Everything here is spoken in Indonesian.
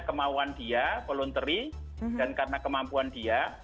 karena dia voluntary dan karena kemampuan dia